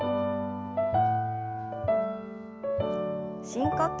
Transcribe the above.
深呼吸。